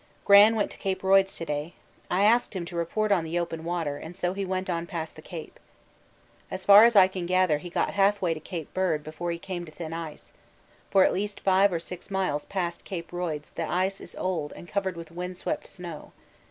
Gran went to C. Royds to day. I asked him to report on the open water, and so he went on past the Cape. As far as I can gather he got half way to C. Bird before he came to thin ice; for at least 5 or 6 miles past C. Royds the ice is old and covered with wind swept snow.